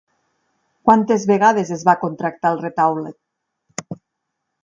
Quantes vegades es va contractar el retaule?